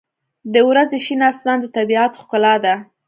• د ورځې شین آسمان د طبیعت ښکلا ده.